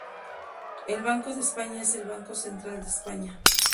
El Banco de España es el banco central de España.